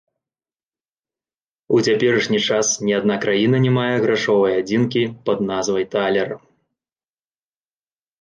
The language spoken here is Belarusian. У цяперашні час ні адна краіна не мае грашовай адзінкі пад назвай талер.